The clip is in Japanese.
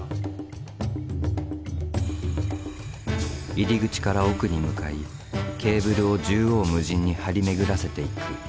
入り口から奥に向かいケーブルを縦横無尽に張り巡らせていく。